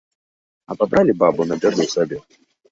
Абабралі бабу на бяду сабе.